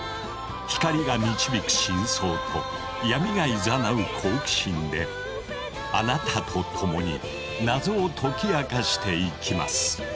光が導く真相と闇が誘う好奇心であなたと共に謎を解き明かしていきます。